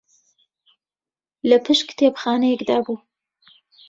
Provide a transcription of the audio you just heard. لە پشت کتێبخانەیەکدا بوو